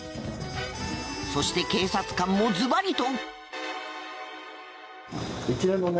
そして警察官もズバリと。